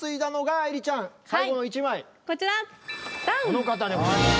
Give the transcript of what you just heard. この方でございます。